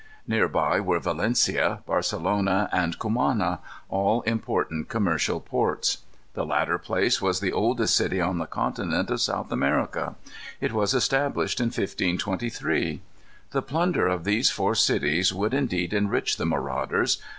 Near by were Valencia, Barcelona, and Cumana, all important commercial ports. The latter place was the oldest city on the continent of South America. It was established in 1523. The plunder of these four cities would indeed enrich the marauders.